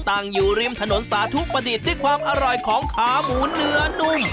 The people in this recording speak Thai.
ตั้งอยู่ริมถนนสาธุประดิษฐ์ด้วยความอร่อยของขาหมูเนื้อนุ่ม